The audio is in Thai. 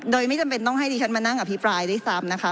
โดยไม่จำเป็นต้องให้ดิฉันมานั่งอภิปรายด้วยซ้ำนะคะ